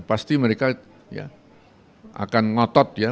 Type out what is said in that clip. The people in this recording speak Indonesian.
pasti mereka ya akan ngotot ya